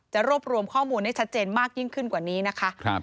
รวบรวมข้อมูลให้ชัดเจนมากยิ่งขึ้นกว่านี้นะคะ